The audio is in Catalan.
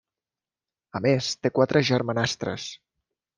A més, té quatre germanastres.